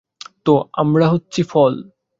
তো আ-আমরা হচ্ছি ফল।